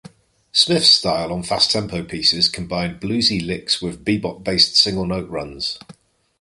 Smith's style on fast tempo pieces combined bluesy "licks" with bebop-based single note runs.